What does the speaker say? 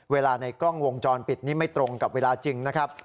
ในกล้องวงจรปิดนี่ไม่ตรงกับเวลาจริงนะครับ